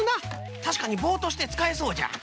たしかにぼうとしてつかえそうじゃ。